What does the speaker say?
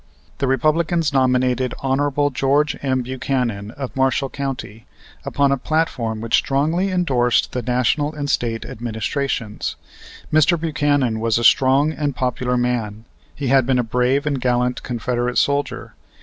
The Republicans nominated Hon. George M. Buchanan, of Marshall County, upon a platform which strongly endorsed the National and State administrations. Mr. Buchanan was a strong and popular man. He had been a brave and gallant Confederate soldier.